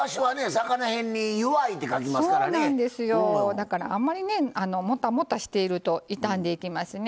だからあんまりねもたもたしていると傷んでいきますね。